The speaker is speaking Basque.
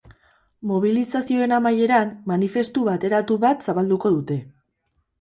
Mobilizazioen amaieran, manifestu bateratu bat zabalduko dute.